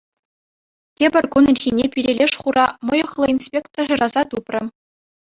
Тепӗр кун ирхине пире леш хура мӑйӑхлӑ инспектор шыраса тупрӗ.